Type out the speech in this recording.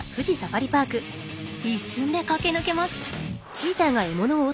一瞬で駆け抜けます。